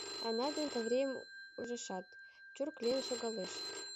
Ана ден Каврийым ужешат, чурк лийын шогалеш.